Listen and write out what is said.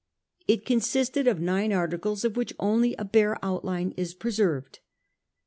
It consisted of nine articles of which only a bare outline is preserved. I.